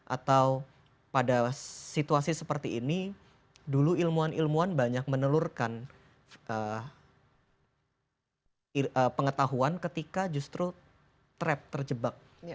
atau pada situasi seperti ini dulu ilmuwan ilmuwan banyak menelurkan pengetahuan ketika justru trap terjebak